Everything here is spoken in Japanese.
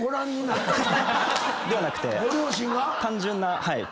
ではなくて。